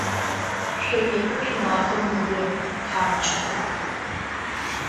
Шъо непэ шъуимафэ мыгъо, тхьамыкӏэ куп!